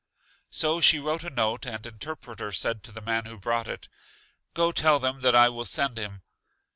So she wrote a note, and Interpreter said to the man who brought it: Go, tell them that I will send him.